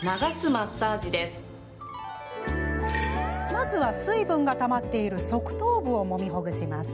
まずは、水分がたまっている側頭部をもみほぐします。